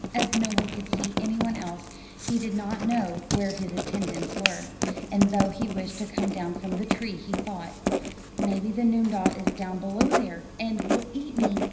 As no one could see any one else, he did not know where his attendants were, and though he wished to come down from the tree, he thought, "Maybe the noondah is down below there, and will eat me."